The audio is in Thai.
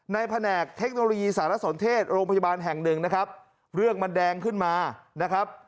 แผนกเทคโนโลยีสารสนเทศโรงพยาบาลแห่งหนึ่งนะครับเรื่องมันแดงขึ้นมานะครับ